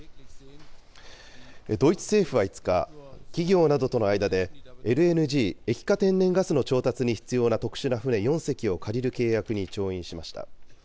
ドイツ政府は５日、企業などとの間で、ＬＮＧ・液化天然ガスの調達に必要な特殊な船４隻を借りる契約に調印しました。